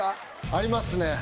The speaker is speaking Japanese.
ありますね。